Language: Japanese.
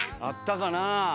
あったかなあ。